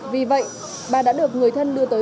vì vậy bà đã được người thân đưa tới